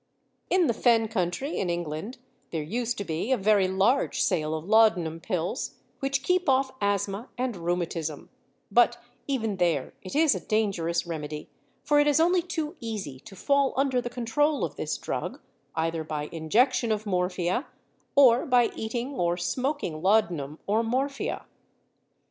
In the Fen country in England there used to be a very large sale of laudanum pills which keep off asthma and rheumatism, but even there it is a dangerous remedy, for it is only too easy to fall under the control of this drug either by injection of morphia, or by eating or smoking laudanum or morphia.